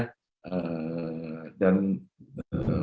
dan walaupun pln dalam hal ini saya kira cukup kooperatif